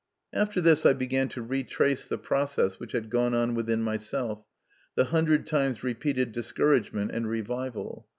After this \ I began to retrace the process which had gone on within myself, the hundred times repeated discouragement and revival.